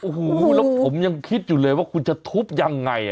โอ้โหแล้วผมยังคิดอยู่เลยว่าคุณจะทุบยังไง